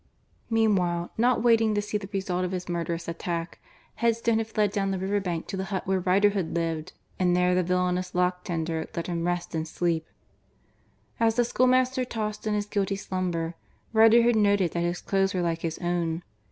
Meanwhile, not waiting to see the result of his murderous attack, Headstone had fled down the river bank to the hut where Riderhood lived and there the villainous lock tender let him rest and sleep. As the schoolmaster tossed in his guilty slumber, Riderhood noted that his clothes were like his own.